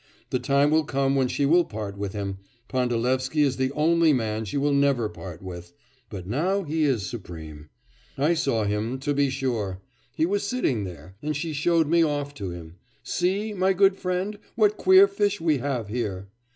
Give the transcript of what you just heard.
The time will come when she will part with him Pandalevsky is the only man she will never part with but now he is supreme. I saw him, to be sure! He was sitting there, and she showed me off to him, "see, my good friend, what queer fish we have here!"